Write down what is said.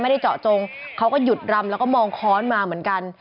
ได้เจาะจงเขาก็หยุดรำแล้วก็มองค้อนมาเหมือนกัน